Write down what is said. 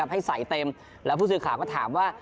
ให้ใส่เต็มแล้วผู้สื่อข่าวก็ถามว่า